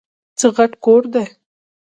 څه غټ کور دی ؟!